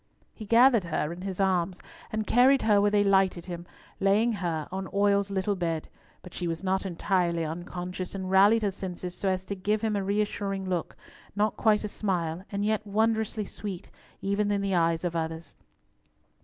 He gathered her in his arms, and carried her where they lighted him, laying her on Oil's little bed, but she was not entirely unconscious, and rallied her senses so as to give him a reassuring look, not quite a smile, and yet wondrously sweet, even in the eyes of others.